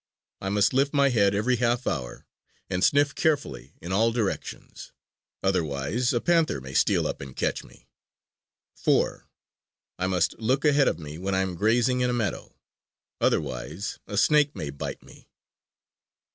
I must lift my head every half hour and sniff carefully in all directions; otherwise a panther may steal up and catch me. IV. I must look ahead of me when I am grazing in a meadow; otherwise a snake may bite me.